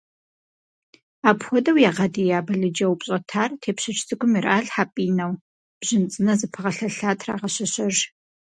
Апхуэдэу ягъэдия балыджэ упщӏэтар тепщэч цӏыкӏум иралъхьэ пӏинэу, бжьын цӏынэ зэпыгъэлъэлъа трагъэщэщэж.